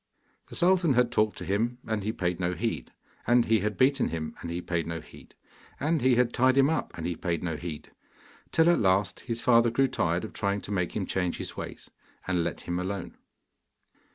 The sultan had talked to him, and he paid no heed; and he had beaten him, and he paid no heed; and he had tied him up, and he paid no heed, till at last his father grew tired of trying to make him change his ways, and let him alone.